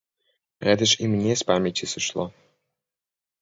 Гэта ж і мне з памяці сышло.